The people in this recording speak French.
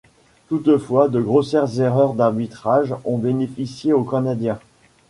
Toutefois de grossières erreurs d'arbitrage ont bénéficié aux canadiens.